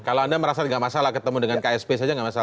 kalau anda merasa nggak masalah ketemu dengan ksp saja nggak masalah